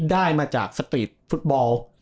ได้มาจากสตรีทฟุตบอล